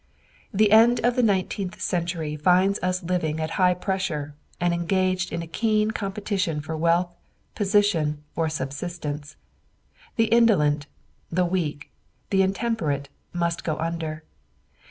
The end of the nineteenth century finds us living at high pressure, and engaged in a keen competition for wealth, position or subsistence. The indolent, the weak, the intemperate must go under.